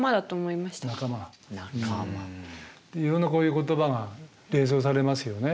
いろんなこういう言葉が連想されますよね。